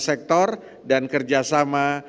sektor dan kerjasama